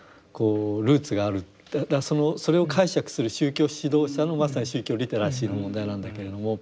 それを解釈する宗教指導者のまさに宗教リテラシーの問題なんだけれども。